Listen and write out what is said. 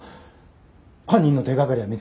犯人の手掛かりは見つかったのか？